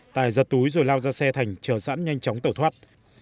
tài giật túi rồi lao ra xe thành chờ sẵn nhanh chóng tẩu thoát